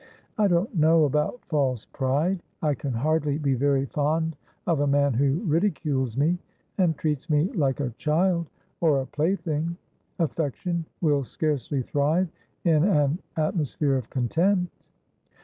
' I don't know about false pride. I can hardly be very fond of a man who ridicules me, and treats me like a child, or a plaything. Affection will scarcely thrive in an atmosphere of contempt.'